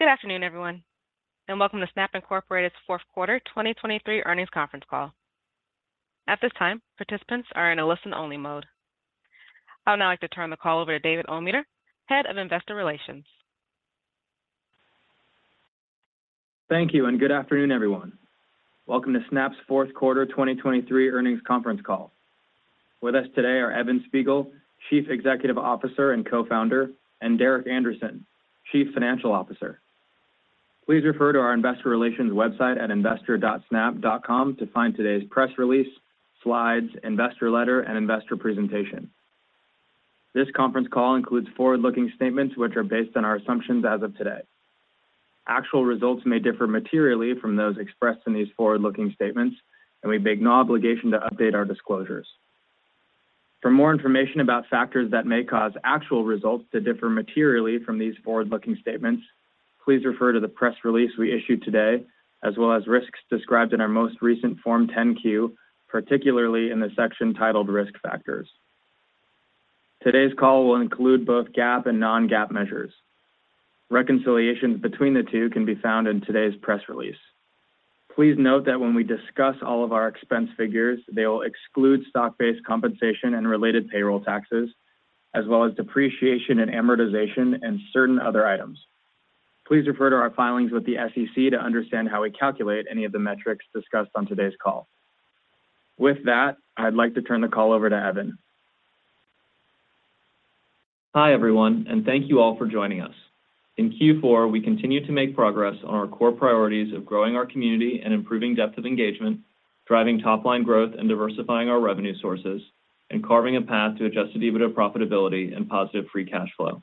Good afternoon, everyone, and welcome to Snap Inc.'s Q4 2023 earnings conference call. At this time, participants are in a listen-only mode. I would now like to turn the call over to David Ometer, Head of Investor Relations. Thank you, and good afternoon, everyone. Welcome to Snap's Q4 2023 earnings conference call. With us today are Evan Spiegel, Chief Executive Officer and Co-founder, and Derek Andersen, Chief Financial Officer. Please refer to our investor relations website at investor.snap.com to find today's press release, slides, investor letter, and investor presentation. This conference call includes forward-looking statements which are based on our assumptions as of today. Actual results may differ materially from those expressed in these forward-looking statements, and we make no obligation to update our disclosures. For more information about factors that may cause actual results to differ materially from these forward-looking statements, please refer to the press release we issued today, as well as risks described in our most recent Form 10-Q, particularly in the section titled Risk Factors. Today's call will include both GAAP and non-GAAP measures. Reconciliations between the two can be found in today's press release. Please note that when we discuss all of our expense figures, they will exclude stock-based compensation and related payroll taxes, as well as depreciation and amortization and certain other items. Please refer to our filings with the SEC to understand how we calculate any of the metrics discussed on today's call. With that, I'd like to turn the call over to Evan. Hi, everyone, and thank you all for joining us. In Q4, we continued to make progress on our core priorities of growing our community and improving depth of engagement, driving top-line growth and diversifying our revenue sources, and carving a path to Adjusted EBITDA profitability and positive Free Cash Flow.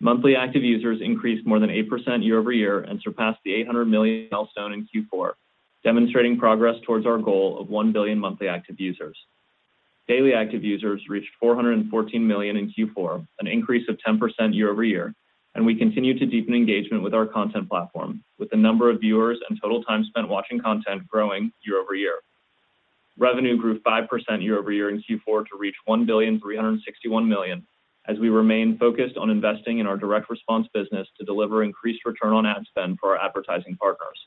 Monthly active users increased more than 8% quarter-over-quarter and surpassed the 800 million milestone in Q4, demonstrating progress towards our goal of 1 billion monthly active users. Daily active users reached 414 million in Q4, an increase of 10% quarter-over-quarter, and we continue to deepen engagement with our content platform, with the number of viewers and total time spent watching content growing quarter-over-quarter. Revenue grew 5% quarter-over-quarter in Q4 to reach $1,361 million, as we remain focused on investing in our direct response business to deliver increased return on ad spend for our advertising partners.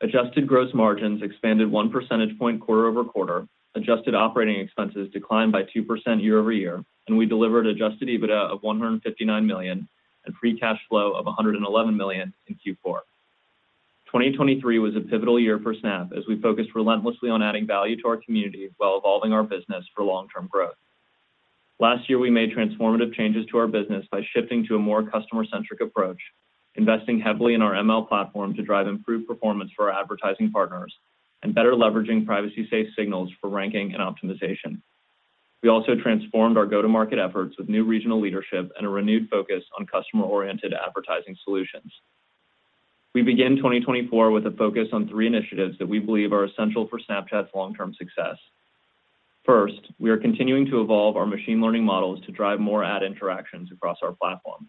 Adjusted gross margins expanded 1 percentage point quarter-over-quarter. Adjusted operating expenses declined by 2% quarter-over-quarter, and we delivered adjusted EBITDA of $159 million and free cash flow of $111 million in Q4. 2023 was a pivotal year for Snap as we focused relentlessly on adding value to our community while evolving our business for long-term growth. Last year, we made transformative changes to our business by shifting to a more customer-centric approach, investing heavily in our ML platform to drive improved performance for our advertising partners and better leveraging privacy-safe signals for ranking and optimization. We also transformed our go-to-market efforts with new regional leadership and a renewed focus on customer-oriented advertising solutions. We begin 2024 with a focus on three initiatives that we believe are essential for Snapchat's long-term success. First, we are continuing to evolve our machine learning models to drive more ad interactions across our platform.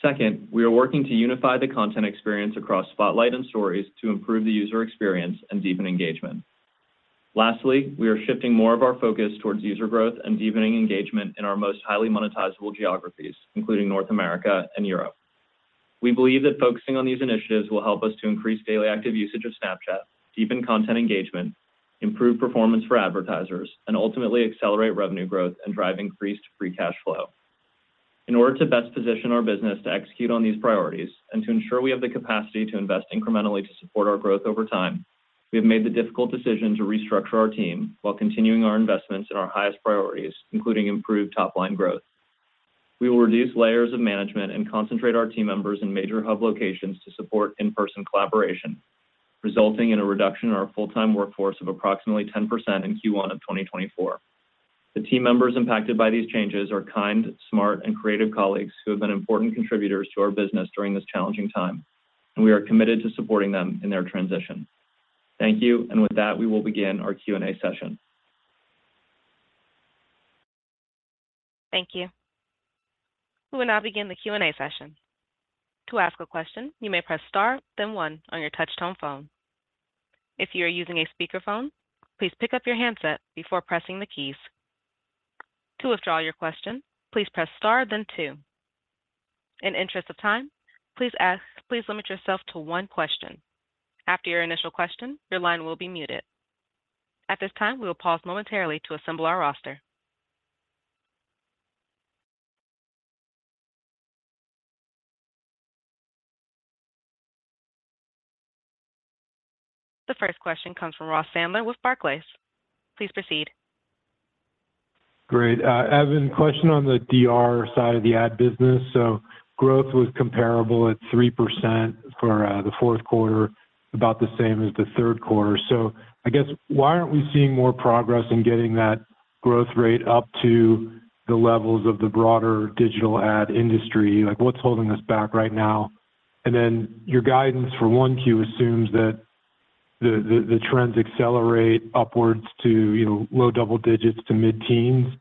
Second, we are working to unify the content experience across Spotlight and Stories to improve the user experience and deepen engagement. Lastly, we are shifting more of our focus towards user growth and deepening engagement in our most highly monetizable geographies, including North America and Europe. We believe that focusing on these initiatives will help us to increase daily active usage of Snapchat, deepen content engagement, improve performance for advertisers, and ultimately accelerate revenue growth and drive increased free cash flow. In order to best position our business to execute on these priorities and to ensure we have the capacity to invest incrementally to support our growth over time, we have made the difficult decision to restructure our team while continuing our investments in our highest priorities, including improved top-line growth. We will reduce layers of management and concentrate our team members in major hub locations to support in-person collaboration, resulting in a reduction in our full-time workforce of approximately 10% in Q1 of 2024. The team members impacted by these changes are kind, smart, and creative colleagues who have been important contributors to our business during this challenging time, and we are committed to supporting them in their transition. Thank you, and with that, we will begin our Q&A session. Thank you. We will now begin the Q&A session. To ask a question, you may press Star, then One on your touchtone phone. If you are using a speakerphone, please pick up your handset before pressing the keys. To withdraw your question, please press Star, then Two. In interest of time, please limit yourself to one question. After your initial question, your line will be muted. At this time, we will pause momentarily to assemble our roster. The first question comes from Ross Sandler with Barclays. Please proceed. Great. Evan, question on the DR side of the ad business. So growth was comparable at 3% for the Q4, about the same as the Q3. So I guess, why aren't we seeing more progress in getting that growth rate up to the levels of the broader digital ad industry? Like, what's holding us back right now? And then your guidance for 1Q assumes that the trends accelerate upwards to, you know, low double digits to mid-teens,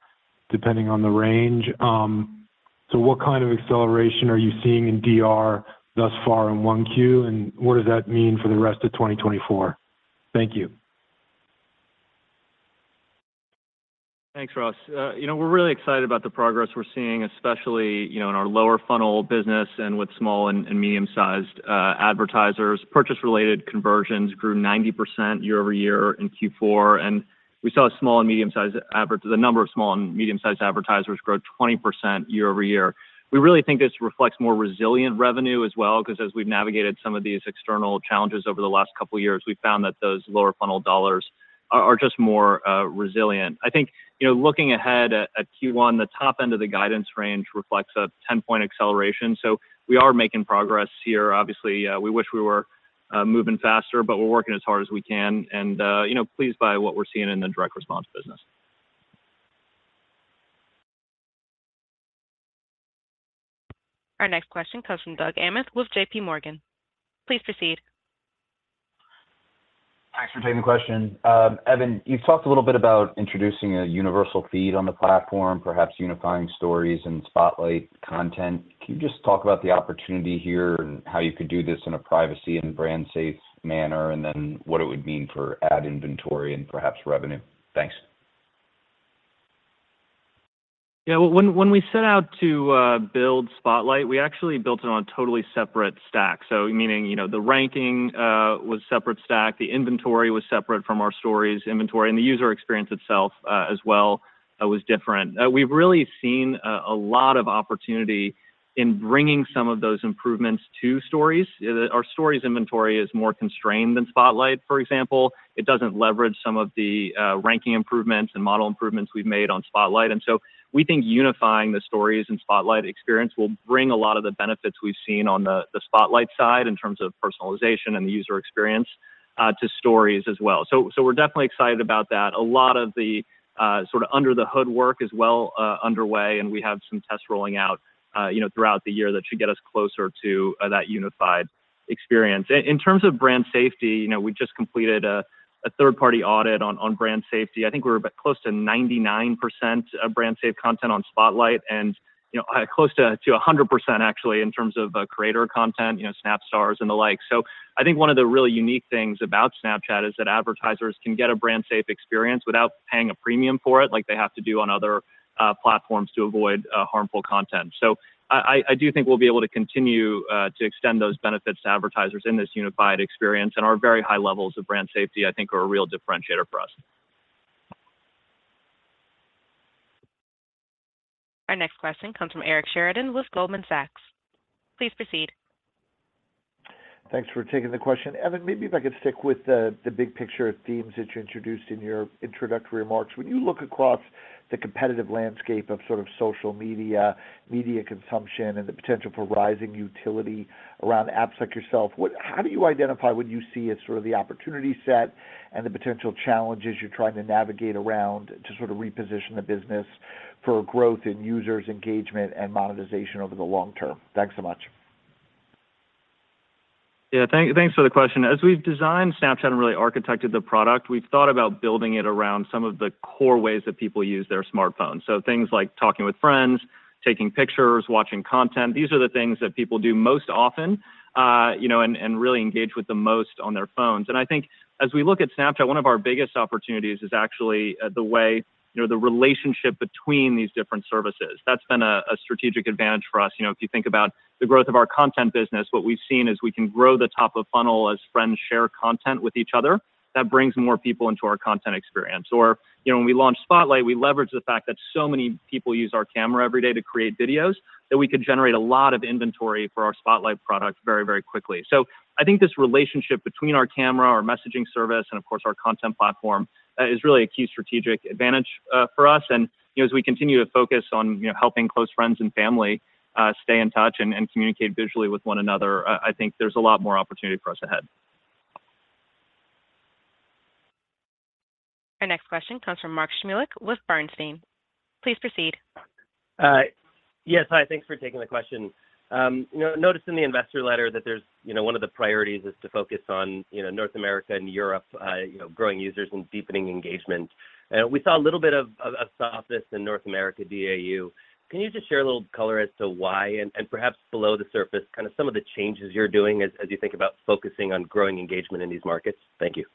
depending on the range. So what kind of acceleration are you seeing in DR thus far in 1Q, and what does that mean for the rest of 2024? Thank you. ... Thanks, Ross. You know, we're really excited about the progress we're seeing, especially, you know, in our lower funnel business and with small and medium-sized advertisers. Purchase-related conversions grew 90% quarter-over-quarter in Q4, and we saw the number of small and medium-sized advertisers grow 20% quarter-over-quarter. We really think this reflects more resilient revenue as well, 'cause as we've navigated some of these external challenges over the last couple of years, we've found that those lower funnel dollars are just more resilient. I think, you know, looking ahead at Q1, the top end of the guidance range reflects a 10-point acceleration. So we are making progress here. Obviously, we wish we were moving faster, but we're working as hard as we can and, you know, pleased by what we're seeing in the direct response business. Our next question comes from Doug Anmuth with JPMorgan. Please proceed. Thanks for taking the question. Evan, you've talked a little bit about introducing a universal feed on the platform, perhaps unifying Stories and Spotlight content. Can you just talk about the opportunity here and how you could do this in a privacy and brand safe manner, and then what it would mean for ad inventory and perhaps revenue? Thanks. Yeah, when we set out to build Spotlight, we actually built it on a totally separate stack. So meaning, you know, the ranking was separate stack, the inventory was separate from our Stories inventory, and the user experience itself, as well, was different. We've really seen a lot of opportunity in bringing some of those improvements to Stories. Our Stories inventory is more constrained than Spotlight, for example. It doesn't leverage some of the ranking improvements and model improvements we've made on Spotlight. And so we think unifying the Stories and Spotlight experience will bring a lot of the benefits we've seen on the Spotlight side in terms of personalization and the user experience to Stories as well. So we're definitely excited about that. A lot of the sort of under the hood work is well underway, and we have some tests rolling out, you know, throughout the year that should get us closer to that unified experience. In terms of brand safety, you know, we just completed a third-party audit on brand safety. I think we're about close to 99% of brand safe content on Spotlight and, you know, close to 100%, actually, in terms of creator content, you know, Snap Stars and the like. So I think one of the really unique things about Snapchat is that advertisers can get a brand safe experience without paying a premium for it, like they have to do on other platforms to avoid harmful content. So I do think we'll be able to continue to extend those benefits to advertisers in this unified experience, and our very high levels of brand safety, I think, are a real differentiator for us. Our next question comes from Eric Sheridan with Goldman Sachs. Please proceed. Thanks for taking the question. Evan, maybe if I could stick with the big picture themes that you introduced in your introductory remarks. When you look across the competitive landscape of sort of social media, media consumption, and the potential for rising utility around apps like yourself, what- how do you identify what you see as sort of the opportunity set and the potential challenges you're trying to navigate around to sort of reposition the business for growth in users, engagement, and monetization over the long term? Thanks so much. Yeah, thanks for the question. As we've designed Snapchat and really architected the product, we've thought about building it around some of the core ways that people use their smartphones. So things like talking with friends, taking pictures, watching content, these are the things that people do most often, you know, and really engage with the most on their phones. And I think as we look at Snapchat, one of our biggest opportunities is actually, the way you know, the relationship between these different services. That's been a strategic advantage for us. You know, if you think about the growth of our content business, what we've seen is we can grow the top of funnel as friends share content with each other. That brings more people into our content experience. Or, you know, when we launched Spotlight, we leveraged the fact that so many people use our camera every day to create videos, that we could generate a lot of inventory for our Spotlight product very, very quickly. So I think this relationship between our camera, our messaging service, and of course, our content platform, is really a key strategic advantage, for us. And, you know, as we continue to focus on, you know, helping close friends and family, stay in touch and communicate visually with one another, I think there's a lot more opportunity for us ahead. Our next question comes from Mark Shmulik with Bernstein. Please proceed. Yes, hi, thanks for taking the question. You know, noticed in the investor letter that there's, you know, one of the priorities is to focus on, you know, North America and Europe, you know, growing users and deepening engagement. We saw a little bit of softness in North America, DAU. Can you just share a little color as to why, and perhaps below the surface, kind of some of the changes you're doing as you think about focusing on growing engagement in these markets? Thank you.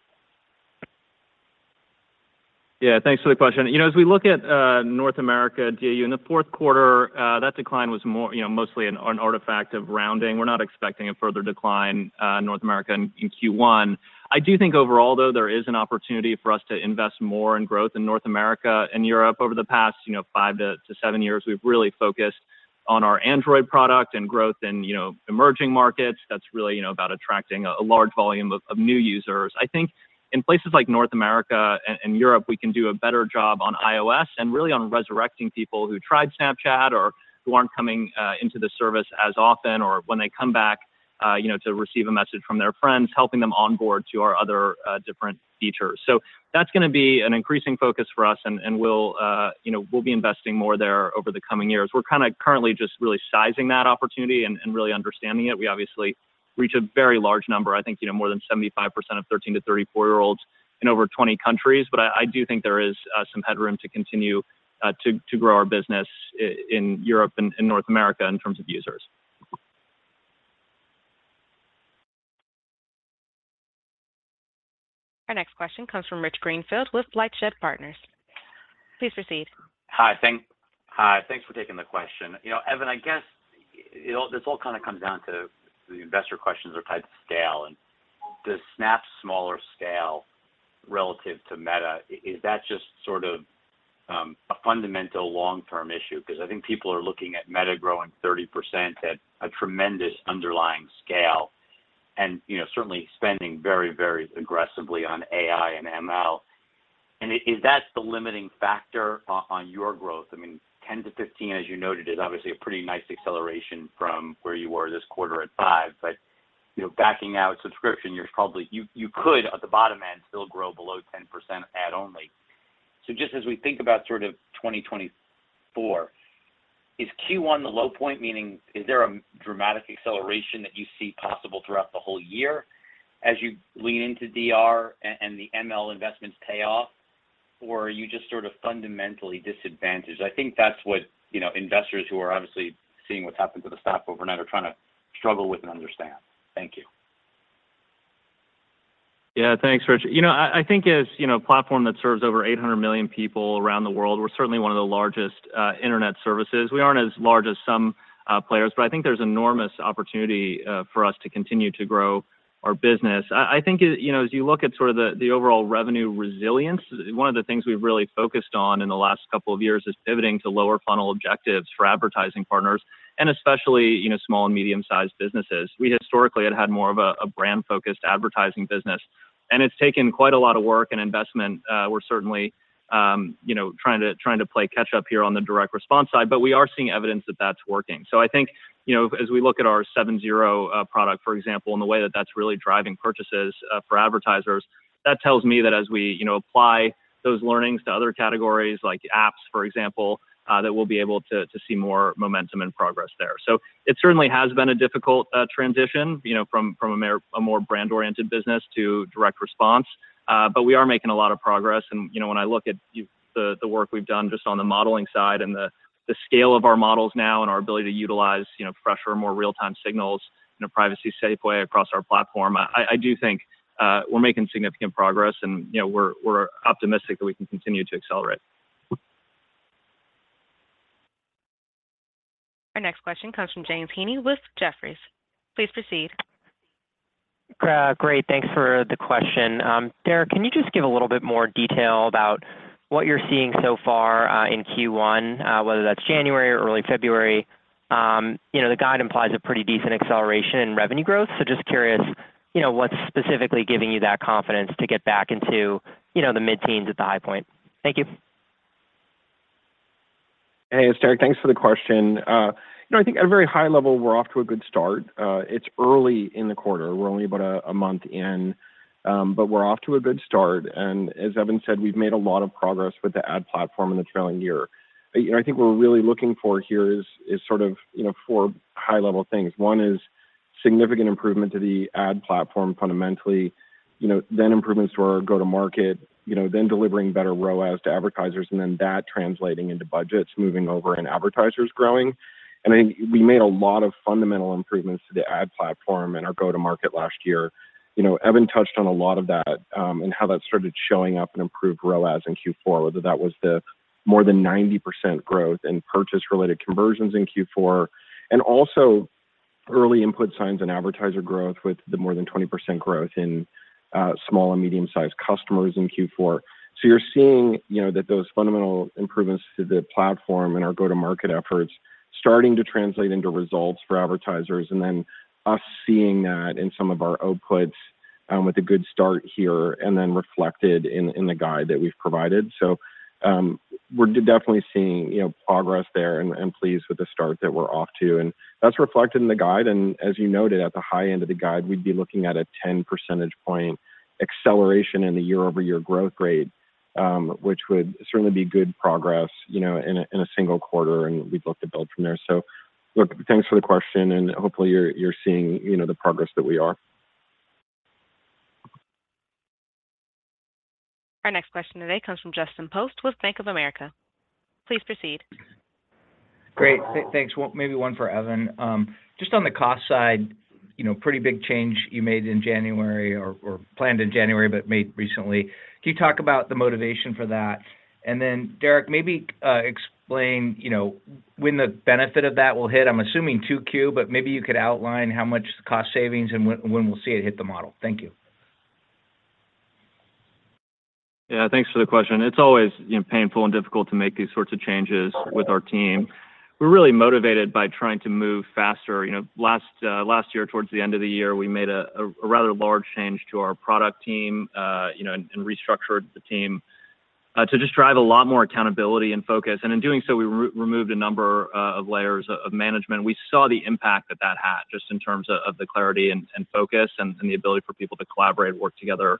Yeah, thanks for the question. You know, as we look at North America DAU in the Q4, that decline was more, you know, mostly an artifact of rounding. We're not expecting a further decline North America in Q1. I do think overall, though, there is an opportunity for us to invest more in growth in North America and Europe. Over the past, you know, 5-7 years, we've really focused on our Android product and growth in, you know, emerging markets. That's really, you know, about attracting a large volume of new users. I think in places like North America and Europe, we can do a better job on iOS and really on resurrecting people who tried Snapchat or who aren't coming into the service as often, or when they come back, you know, to receive a message from their friends, helping them onboard to our other different features. So that's gonna be an increasing focus for us, and we'll, you know, we'll be investing more there over the coming years. We're kinda currently just really sizing that opportunity and really understanding it. We obviously reach a very large number, I think, you know, more than 75% of 13- to 34-year-olds in over 20 countries. But I do think there is some headroom to continue to grow our business in Europe and North America in terms of users. Our next question comes from Rich Greenfield with LightShed Partners. Please proceed. Hi, thanks for taking the question. You know, Evan, I guess it all... This all kind of comes down to the investor questions are tied to scale and does Snap's smaller scale relative to Meta, is that just sort of a fundamental long-term issue? Because I think people are looking at Meta growing 30% at a tremendous underlying scale and, you know, certainly spending very, very aggressively on AI and ML. And is that the limiting factor on your growth? I mean, 10%-15%, as you noted, is obviously a pretty nice acceleration from where you were this quarter at 5%. But, you know, backing out subscription, you could, at the bottom end, still grow below 10% ad only. So just as we think about sort of 2024, is Q1 the low point? Meaning, is there a dramatic acceleration that you see possible throughout the whole year as you lean into DR and the ML investments pay off? Or are you just sort of fundamentally disadvantaged? I think that's what, you know, investors who are obviously seeing what's happened to the stock overnight are trying to struggle with and understand. Thank you. Yeah, thanks, Rich. You know, I think as a platform that serves over 800 million people around the world, we're certainly one of the largest internet services. We aren't as large as some players, but I think there's enormous opportunity for us to continue to grow our business. I think, you know, as you look at sort of the overall revenue resilience, one of the things we've really focused on in the last couple of years is pivoting to lower funnel objectives for advertising partners, and especially, you know, small and medium-sized businesses. We historically had had more of a brand-focused advertising business, and it's taken quite a lot of work and investment. We're certainly, you know, trying to play catch up here on the direct response side, but we are seeing evidence that that's working. So I think, you know, as we look at our 7/0 product, for example, and the way that that's really driving purchases for advertisers, that tells me that as we, you know, apply those learnings to other categories, like apps, for example, that we'll be able to see more momentum and progress there. So it certainly has been a difficult transition, you know, from a more brand-oriented business to direct response. But we are making a lot of progress, and, you know, when I look at the work we've done just on the modeling side and the scale of our models now and our ability to utilize, you know, fresher, more real-time signals in a privacy-safe way across our platform, I do think we're making significant progress and, you know, we're optimistic that we can continue to accelerate. Our next question comes from James Heaney with Jefferies. Please proceed. Great, thanks for the question. Derek, can you just give a little bit more detail about what you're seeing so far in Q1, whether that's January or early February? You know, the guide implies a pretty decent acceleration in revenue growth. So just curious, you know, what's specifically giving you that confidence to get back into, you know, the mid-teens at the high point? Thank you. Hey, it's Derek. Thanks for the question. You know, I think at a very high level, we're off to a good start. It's early in the quarter. We're only about a month in, but we're off to a good start, and as Evan said, we've made a lot of progress with the ad platform in the trailing year. You know, I think what we're really looking for here is sort of, you know, four high-level things. One is significant improvement to the ad platform fundamentally, you know, then improvements to our go-to-market, you know, then delivering better ROAS to advertisers, and then that translating into budgets, moving over and advertisers growing. I think we made a lot of fundamental improvements to the ad platform and our go-to-market last year. You know, Evan touched on a lot of that, and how that started showing up in improved ROAS in Q4, whether that was the more than 90% growth in purchase-related conversions in Q4, and also early input signs and advertiser growth with the more than 20% growth in small and medium-sized customers in Q4. So you're seeing, you know, that those fundamental improvements to the platform and our go-to-market efforts starting to translate into results for advertisers, and then us seeing that in some of our outputs, with a good start here and then reflected in the guide that we've provided. So, we're definitely seeing, you know, progress there and pleased with the start that we're off to, and that's reflected in the guide. As you noted, at the high end of the guide, we'd be looking at a 10 percentage point acceleration in the quarter-over-quarter growth rate, which would certainly be good progress, you know, in a single quarter, and we'd look to build from there. So look, thanks for the question, and hopefully you're seeing, you know, the progress that we are. Our next question today comes from Justin Post with Bank of America. Please proceed. Great. Thanks. Well, maybe one for Evan. Just on the cost side, you know, pretty big change you made in January or planned in January, but made recently. Can you talk about the motivation for that? And then, Derek, maybe explain, you know, when the benefit of that will hit. I'm assuming 2Q, but maybe you could outline how much cost savings and when we'll see it hit the model. Thank you. Yeah, thanks for the question. It's always, you know, painful and difficult to make these sorts of changes with our team. We're really motivated by trying to move faster. You know, last, last year, towards the end of the year, we made a rather large change to our product team, you know, and restructured the team, to just drive a lot more accountability and focus. And in doing so, we removed a number of layers of management. We saw the impact that that had just in terms of the clarity and focus and the ability for people to collaborate and work together.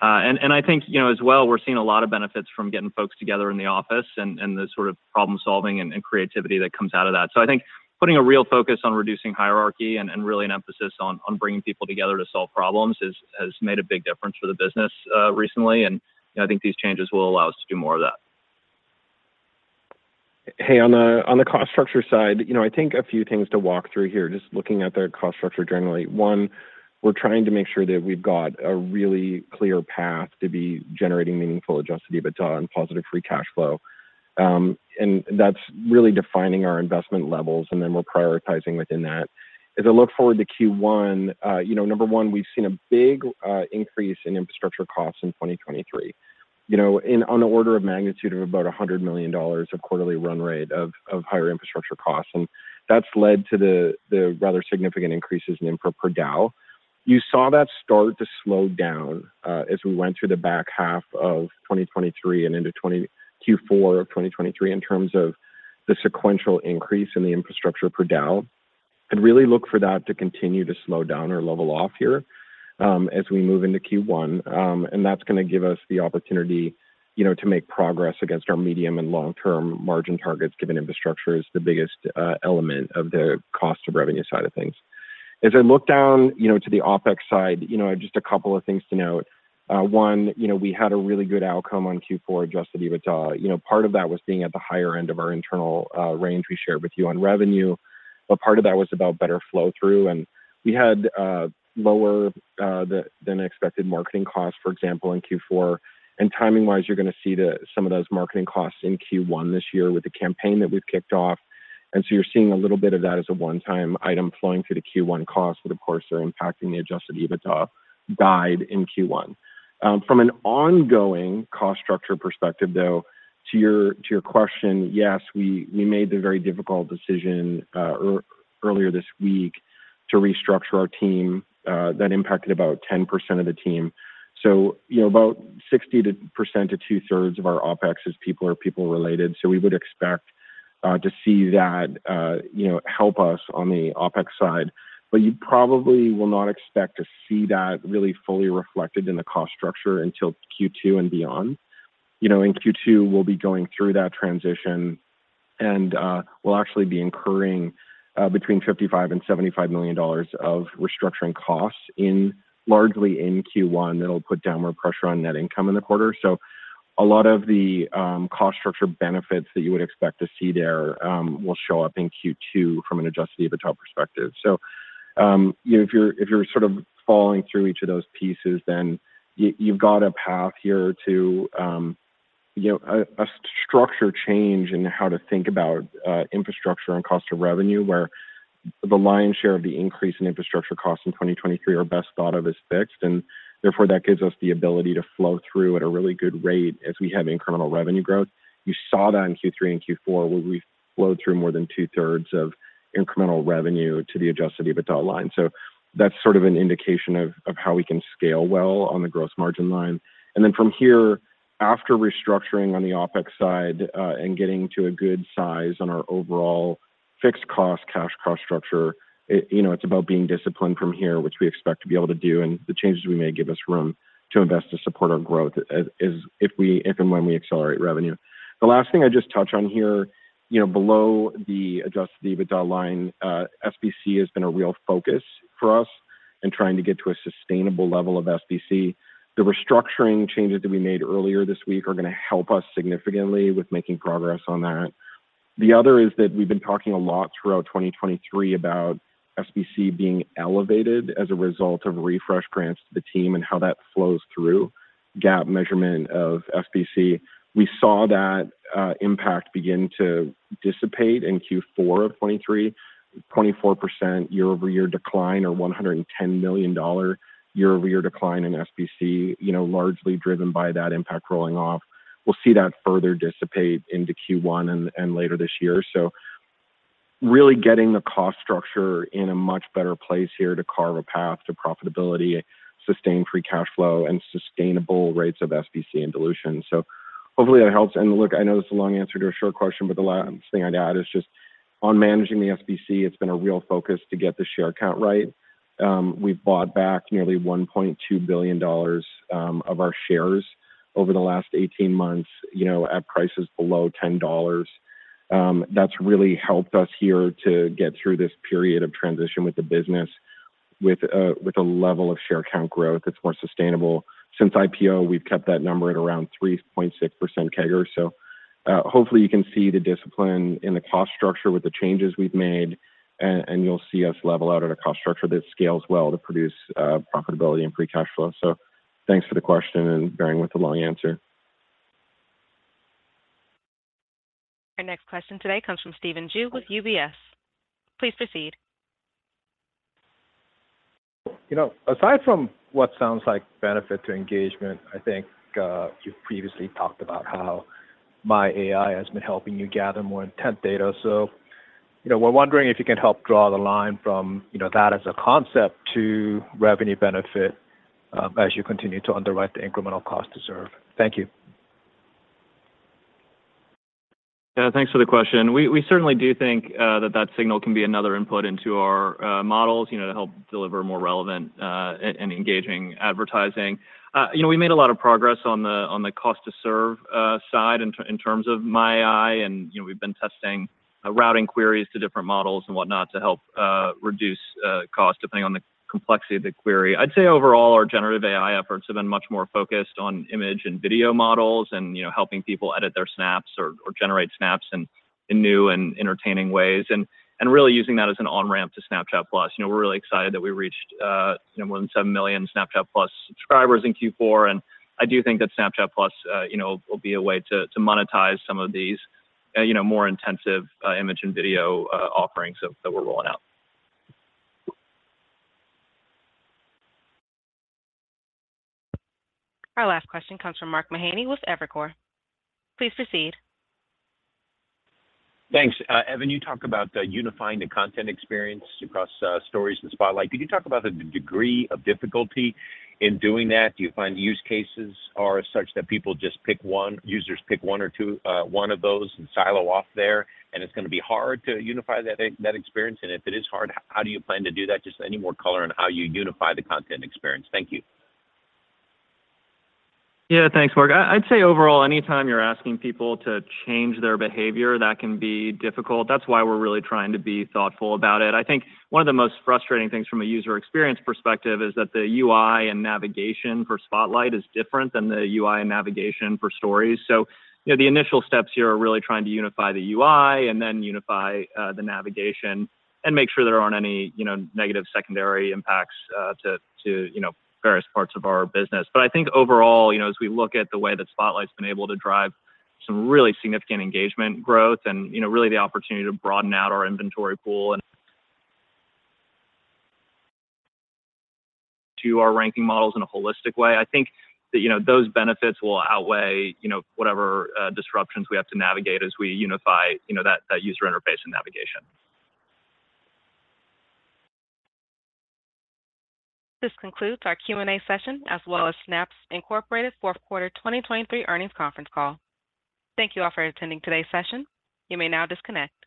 And I think, you know, as well, we're seeing a lot of benefits from getting folks together in the office and the sort of problem-solving and creativity that comes out of that. So I think putting a real focus on reducing hierarchy and really an emphasis on bringing people together to solve problems has made a big difference for the business, recently, and I think these changes will allow us to do more of that. Hey, on the cost structure side, you know, I think a few things to walk through here, just looking at the cost structure generally. One, we're trying to make sure that we've got a really clear path to be generating meaningful Adjusted EBITDA and positive Free Cash Flow, and that's really defining our investment levels, and then we're prioritizing within that. As I look forward to Q1, you know, number one, we've seen a big increase in infrastructure costs in 2023. You know, in the order of magnitude of about $100 million of quarterly run rate of higher infrastructure costs, and that's led to the rather significant increases in infra per DAU. You saw that start to slow down, as we went through the back half of 2023 and into Q4 of 2023, in terms of the sequential increase in the infrastructure per DAU. I'd really look for that to continue to slow down or level off here, as we move into Q1. And that's gonna give us the opportunity, you know, to make progress against our medium and long-term margin targets, given infrastructure is the biggest element of the cost of revenue side of things. As I look down, you know, to the OpEx side, you know, just a couple of things to note. One, you know, we had a really good outcome on Q4 Adjusted EBITDA. You know, part of that was being at the higher end of our internal range we shared with you on revenue, but part of that was about better flow-through, and we had lower than expected marketing costs, for example, in Q4. And timing-wise, you're gonna see some of those marketing costs in Q1 this year with the campaign that we've kicked off. And so you're seeing a little bit of that as a one-time item flowing through the Q1 costs, but of course, they're impacting the adjusted EBITDA guide in Q1. From an ongoing cost structure perspective, though, to your question, yes, we made the very difficult decision earlier this week to restructure our team. That impacted about 10% of the team. So, you know, about 60% to two-thirds of our OpEx is people or people-related, so we would expect to see that, you know, help us on the OpEx side. But you probably will not expect to see that really fully reflected in the cost structure until Q2 and beyond. You know, in Q2, we'll be going through that transition, and, we'll actually be incurring between $55 million and $75 million of restructuring costs largely in Q1. That'll put downward pressure on net income in the quarter. So a lot of the cost structure benefits that you would expect to see there will show up in Q2 from an adjusted EBITDA perspective. So, you know, if you're sort of following through each of those pieces, then you've got a path here to a structure change in how to think about infrastructure and cost of revenue, where the lion's share of the increase in infrastructure costs in 2023 are best thought of as fixed, and therefore, that gives us the ability to flow through at a really good rate as we have incremental revenue growth. You saw that in Q3 and Q4, where we flowed through more than two-thirds of incremental revenue to the Adjusted EBITDA line. So that's sort of an indication of how we can scale well on the gross margin line. And then from here, after restructuring on the OpEx side, and getting to a good size on our overall fixed cost, cash cost structure, it... You know, it's about being disciplined from here, which we expect to be able to do, and the changes we make give us room to invest to support our growth, as if and when we accelerate revenue. The last thing I'd just touch on here, you know, below the Adjusted EBITDA line, SBC has been a real focus for us in trying to get to a sustainable level of SBC. The restructuring changes that we made earlier this week are gonna help us significantly with making progress on that. The other is that we've been talking a lot throughout 2023 about SBC being elevated as a result of refresh grants to the team and how that flows through GAAP measurement of SBC. We saw that impact begin to dissipate in Q4 of 2023, 24% quarter-over-quarter decline or $110 million quarter-over-quarter decline in SBC, you know, largely driven by that impact rolling off. We'll see that further dissipate into Q1 and later this year. So really getting the cost structure in a much better place here to carve a path to profitability, sustain free cash flow, and sustainable rates of SBC and dilution. So hopefully that helps. And look, I know this is a long answer to a short question, but the last thing I'd add is just on managing the SBC, it's been a real focus to get the share count right. We've bought back nearly $1.2 billion of our shares over the last 18 months, you know, at prices below $10. That's really helped us here to get through this period of transition with the business with a level of share count growth that's more sustainable. Since IPO, we've kept that number at around 3.6% CAGR. So, hopefully, you can see the discipline in the cost structure with the changes we've made, and you'll see us level out at a cost structure that scales well to produce profitability and Free Cash Flow. So thanks for the question, and bearing with the long answer. Our next question today comes from Stephen Ju with UBS. Please proceed. You know, aside from what sounds like benefit to engagement, I think, you previously talked about how My AI has been helping you gather more intent data. So, you know, we're wondering if you can help draw the line from, you know, that as a concept to revenue benefit, as you continue to underwrite the incremental cost to serve. Thank you. Yeah, thanks for the question. We certainly do think that that signal can be another input into our models, you know, to help deliver more relevant and engaging advertising. You know, we made a lot of progress on the cost to serve side, in terms of My AI, and we've been testing- ... routing queries to different models and whatnot to help, reduce, cost, depending on the complexity of the query. I'd say overall, our generative AI efforts have been much more focused on image and video models and, you know, helping people edit their snaps or, or generate snaps in, in new and entertaining ways, and, and really using that as an on-ramp to Snapchat+. You know, we're really excited that we reached, you know, more than 7 million Snapchat+ subscribers in Q4, and I do think that Snapchat+, you know, will be a way to, to monetize some of these, you know, more intensive, image and video, offerings that, that we're rolling out. Our last question comes from Mark Mahaney with Evercore. Please proceed. Thanks. Evan, you talked about unifying the content experience across Stories and Spotlight. Could you talk about the degree of difficulty in doing that? Do you find use cases are such that people just pick one, users pick one or two, one of those and silo off there, and it's gonna be hard to unify that, that experience? And if it is hard, how do you plan to do that? Just any more color on how you unify the content experience. Thank you. Yeah, thanks, Mark. I, I'd say overall, anytime you're asking people to change their behavior, that can be difficult. That's why we're really trying to be thoughtful about it. I think one of the most frustrating things from a user experience perspective is that the UI and navigation for Spotlight is different than the UI and navigation for Stories. So, you know, the initial steps here are really trying to unify the UI and then unify the navigation and make sure there aren't any, you know, negative secondary impacts to various parts of our business. But I think overall, you know, as we look at the way that Spotlight's been able to drive some really significant engagement growth and, you know, really the opportunity to broaden out our inventory pool and to our ranking models in a holistic way, I think that, you know, those benefits will outweigh, you know, whatever disruptions we have to navigate as we unify, you know, that, that user interface and navigation. This concludes our Q&A session, as well as Snap Inc. Fourth Quarter 2023 Earnings Conference Call. Thank you all for attending today's session. You may now disconnect.